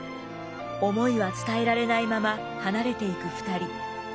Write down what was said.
思いは伝えられないまま離れていく２人。